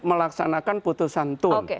melaksanakan putusan tum